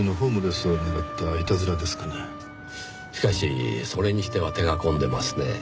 しかしそれにしては手が込んでますねぇ。